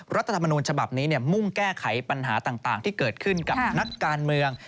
รัฐธรรมนูญฉบับนี้มุ่งแก้ไขปัญหาต่างที่เกิดขึ้นกับนักการเมือง